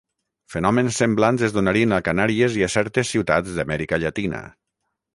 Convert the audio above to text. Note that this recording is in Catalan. Fenòmens semblants es donarien a Canàries i a certes ciutats d'Amèrica Llatina.